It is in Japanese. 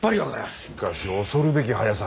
しかし恐るべき速さ。